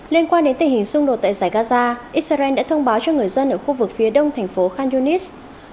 liên quan đến tình hình xung đột tại giải gaza israel đã thông báo cho người dân ở khu vực phía đông thành phố khan yunis